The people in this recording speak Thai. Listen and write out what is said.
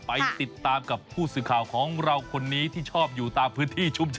ไปติดตามกับผู้สื่อข่าวของเราคนนี้ที่ชอบอยู่ตามพื้นที่ชุมชน